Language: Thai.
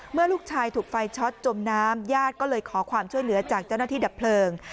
ลูกชายถูกไฟช็อตจมน้ำญาติก็เลยขอความช่วยเหลือจากเจ้าหน้าที่ดับเพลิง